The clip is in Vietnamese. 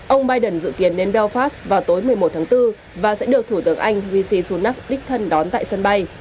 ông biden dự kiến đến belfast vào tối một mươi một tháng bốn và sẽ được thủ tướng anh v c sunak dickson đón tại sân bay